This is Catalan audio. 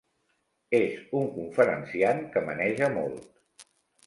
És un conferenciant que maneja molt.